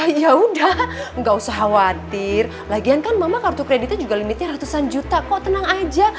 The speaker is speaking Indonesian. eh eh eh ya ya udah nggak usah khawatir lagian kan mama kartu kreditnya juga limitnya ratusan juta kok tenang aja